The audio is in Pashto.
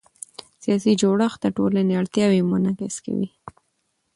سیاسي جوړښت د ټولنې اړتیاوې منعکسوي